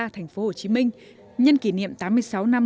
tp hcm nhân kỷ niệm tám mươi sáu năm